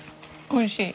おいしい。